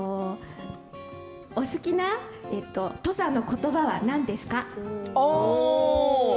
お好きな土佐の言葉は何ですか？